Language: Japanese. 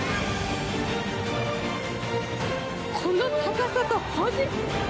この高さとポジ。